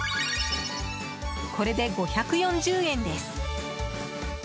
これで５４０円です。